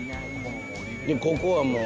でここはもう。